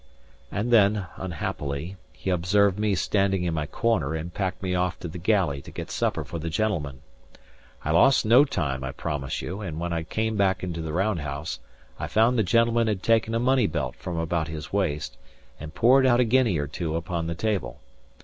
And then, unhappily, he observed me standing in my corner, and packed me off to the galley to get supper for the gentleman. I lost no time, I promise you; and when I came back into the round house, I found the gentleman had taken a money belt from about his waist, and poured out a guinea or two upon the table.